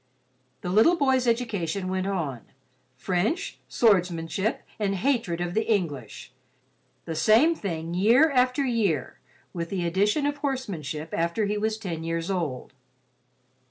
The little boy's education went on—French, swordsmanship and hatred of the English—the same thing year after year with the addition of horsemanship after he was ten years old.